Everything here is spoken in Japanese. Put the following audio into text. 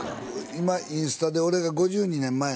今インスタで俺が５２年前の。